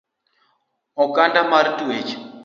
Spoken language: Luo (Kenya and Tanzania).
Okanda mar twech